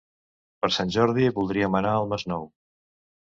Per Sant Jordi voldríem anar al Masnou.